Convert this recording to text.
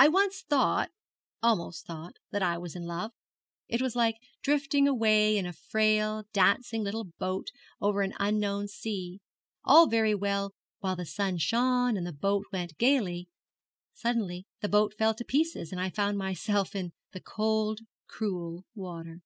I once thought almost thought that I was in love. It was like drifting away in a frail, dancing little boat over an unknown sea all very well while the sun shone and the boat went gaily suddenly the boat fell to pieces, and I found myself in the cold, cruel water.'